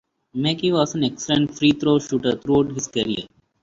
Macy was an excellent free throw shooter throughout his career.